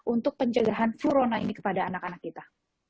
untuk pencegahan flurona ini kepada anak anak kita